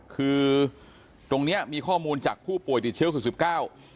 คือตรงเนี้ยมีข้อมูลจากผู้ป่วยติดเชื้อคือสิบเก้า